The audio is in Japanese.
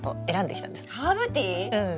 うん。